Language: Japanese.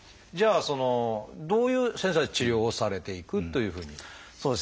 じゃあどういう先生は治療をされていくというふうに。